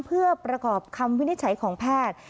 เพื่อประกอบคำวินิจฉัยของแพทย์